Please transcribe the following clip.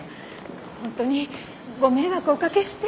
本当にご迷惑をおかけして。